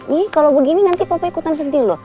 nih kalau begini nanti papa ikutan sendiri loh